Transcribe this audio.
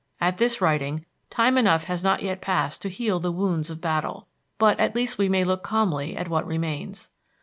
At this writing, time enough has not yet passed to heal the wounds of battle, but at least we may look calmly at what remains.